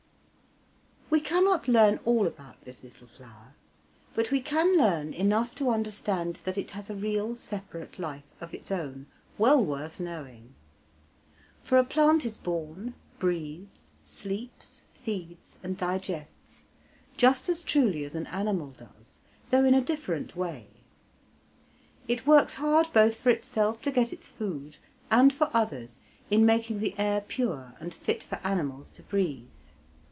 We cannot learn all about this little flower, but we can learn enough to understand that it has a real separate life of its own, well worth knowing. For a plant is born, breathes, sleeps, feeds, and digests just as truly as an animal does, though in a different way. It works hard both for itself to get its food, and for others in making the air pure and fit for animals to breathe.